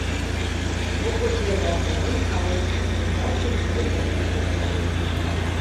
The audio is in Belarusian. Бо хоць і абяцалі, але іх рэкамендацыі не выконваем.